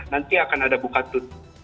nanti akan ada buka tutup